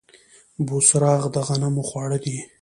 بوسراغ د غنمو خواړه دي.